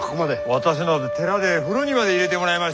私など寺で風呂にまで入れてもらいまして。